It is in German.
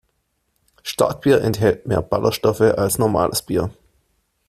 Starkbier enthält mehr Ballerstoffe als normales Bier.